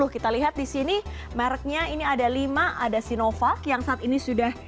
kita lihat di sini mereknya ini ada lima ada sinovac yang saat ini sudah